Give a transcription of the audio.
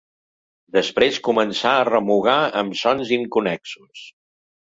Després començà a remugar amb sons inconnexos.